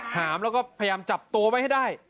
หามแล้วก็พยายามจับตัวไว้ให้ได้